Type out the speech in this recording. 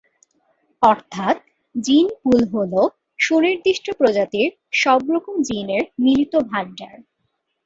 অর্থাৎ gene pool হলো সুনির্দিষ্ট প্রজাতির সবরকম জিনের মিলিত ভাণ্ডার।